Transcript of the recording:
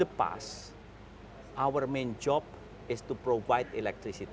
tugas utama kami adalah untuk memberikan elektrik